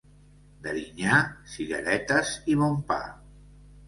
D'Erinyà, cireretes i bon pa.